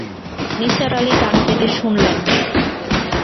নিসার আলি কান পেতে শুনলেন।